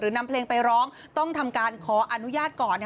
นำเพลงไปร้องต้องทำการขออนุญาตก่อน